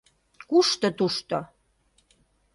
Кушто тушто!